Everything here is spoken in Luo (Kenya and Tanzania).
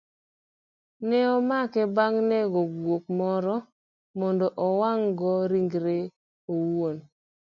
Ne omake bang' nego guok moro mondo owang'go ringrene owuon